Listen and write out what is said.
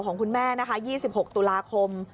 ของคุณแม่นะคะ๒๖ตุลาคม